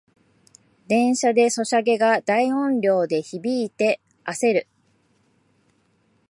電車でソシャゲが大音量で響いてあせる